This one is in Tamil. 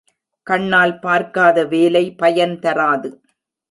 கண்ணால் பார்க்காத வேலை பயன் தராது.